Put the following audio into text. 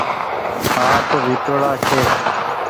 سآنپ وٺو ڙآ ڇي۔